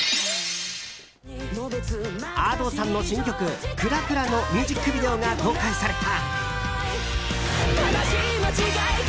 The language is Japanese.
Ａｄｏさんの新曲「クラクラ」のミュージックビデオが公開された。